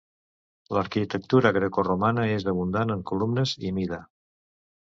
L'arquitectura grecoromana és abundant en columnes i mida.